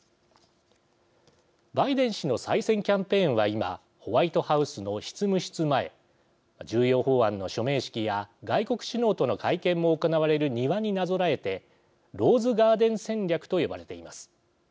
バイデン氏の再選キャンペーンは今ホワイトハウスの執務室前重要法案の署名式や外国首脳との会見も行われる庭になぞらえてローズガーデン戦略と呼ばれています。